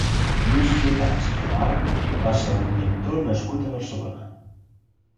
Lluís Flotats i Canal va ser un pintor nascut a Barcelona.